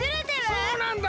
そうなんだ！